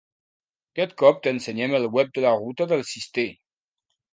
Aquest cop t'ensenyem el web de la Ruta del Cister.